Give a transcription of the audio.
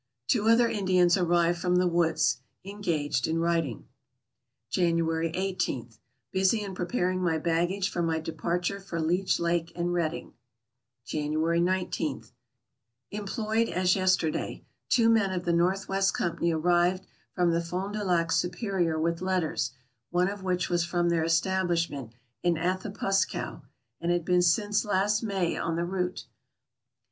Two other Indians arrived from the woods. Engaged in writing. January 18. — Busy in preparing my baggage for my departure for Leech Lake and Reading. January ip. — Employed as yesterday. Two men of the North West Company arrived from the Fond du Lac Su perior with letters, one of which was from their establishment in Athapuscow, and had been since last May on the route.